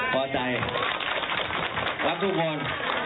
พอใจรักทุกคน